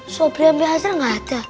sobri ambe hazar gak ada